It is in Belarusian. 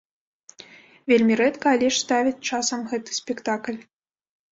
Вельмі рэдка, але ж ставяць часам гэты спектакль.